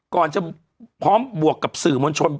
ก่อนจะพร้อมบวกกับสื่อมวลชน